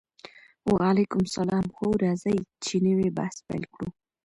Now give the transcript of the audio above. وعلیکم السلام هو راځئ چې نوی بحث پیل کړو